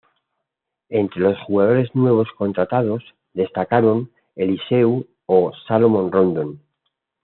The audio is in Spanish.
Entre los jugadores nuevos contratados destacaron Eliseu o Salomón Rondón.